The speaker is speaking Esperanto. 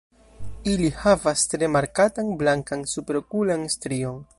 Ili havas tre markatan blankan superokulan strion.